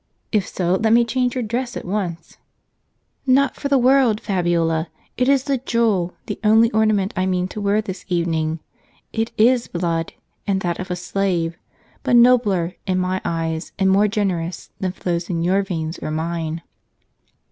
If so, let me change your dress at once." " ISTot for the world, Fabiola ; it is the jewel, the only orna ment I mean to wear this evening. It is blood, and that of a slave ; but nobler, in my eyes, and more generous, than flows in your veins or mine."